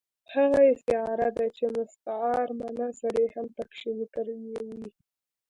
هغه استعاره ده، چي مستعار منه صریحاً پکښي ذکر ىوى يي.